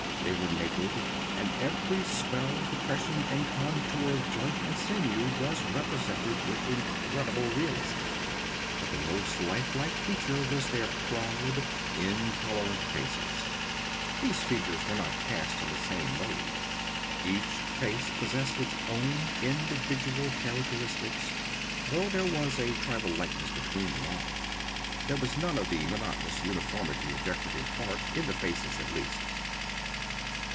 They were naked, and every swell, depression and contour of joint and sinew was represented with incredible realism. But the most life like feature was their proud, intolerant faces. These features were not cast in the same mold. Each face possessed its own individual characteristics, though there was a tribal likeness between them all. There was none of the monotonous uniformity of decorative art, in the faces at least.